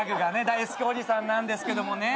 大好きおじさんなんですけどもね。